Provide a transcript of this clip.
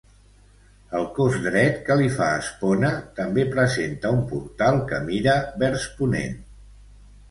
El cos dret que li fa espona també presenta un portal que mira vers ponent.